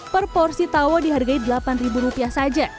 per porsi tauwa dihargai delapan rupiah saja